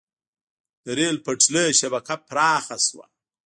د ریل پټلۍ شبکه پراخه شوه.